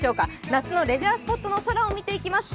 夏のレジャースポットの空を見ていきます。